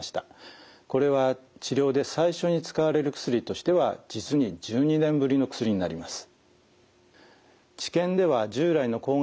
これは治療で最初に使われる薬としては実に１２年ぶりの薬になります。